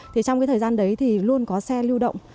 thì trong cái thời gian đấy thì luôn có xe lưu động